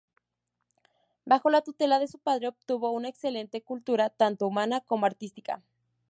Bajo la tutela de su padre obtuvo una excelente cultura tanto humana como artística.